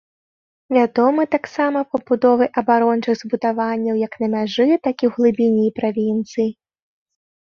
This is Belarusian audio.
Вядомы таксама пабудовай абарончых збудаванняў як на мяжы, так і ў глыбіні правінцый.